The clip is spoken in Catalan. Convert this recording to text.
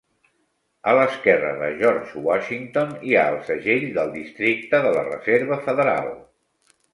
A l'esquerra de George Washington hi ha el segell del Districte de la Reserva Federal.